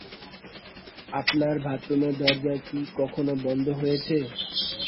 আপনার বাথরুমের দরজা কি কখনো বন্ধ হয়েছে?